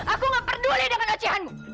aku gak peduli dengan oceanmu